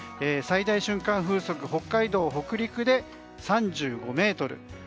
最大瞬間風速は北海道、北陸で３５メートル